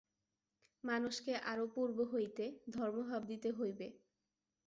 মানুষকে আরও পূর্ব হইতে ধর্মভাব দিতে হইবে।